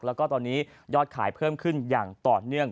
แล้วก็ตอนนี้ยอดขายเพิ่มขึ้นอย่างต่อเนื่อง